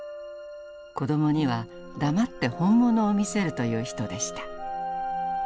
子供には黙って本物を見せるという人でした。